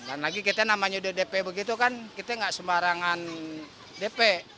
dan lagi kita namanya udah dp begitu kan kita gak sembarangan dp